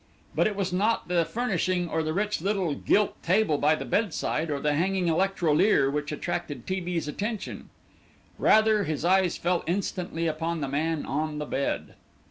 But it was not the furnishing or the rich little gilt table by the bedside or the hanging electrolier which attracted T. B.'s attention; rather his eyes fell instantly upon the man on the bed.